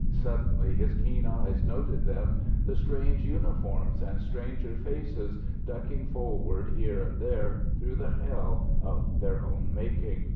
Suddenly his keen eyes noted them the strange uniforms and stranger faces, ducking forward here and there through the hell of their own making.